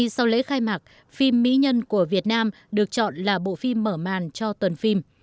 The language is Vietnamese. sau lễ khai mạc phim mỹ nhân của việt nam được chọn là bộ phim mở màn cho tuần phim